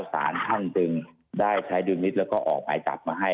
สารท่านจึงได้ใช้ดุลมิตแล้วก็ออกหมายจับมาให้